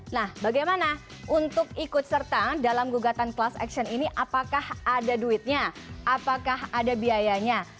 nah bagaimana untuk ikut serta dalam gugatan class action ini apakah ada duitnya apakah ada biayanya